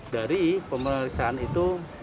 dari pemeriksaan itu